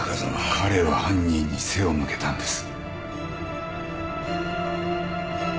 彼は犯人に背を向けたんです。